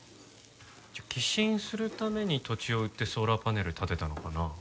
じゃあ寄進するために土地を売ってソーラーパネル立てたのかな？